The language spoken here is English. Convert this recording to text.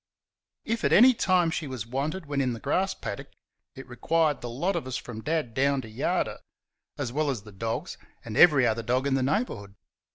If at any time she was wanted when in the grass paddock, it required the lot of us from Dad down to yard her, as well as the dogs, and every other dog in the neighbourhood.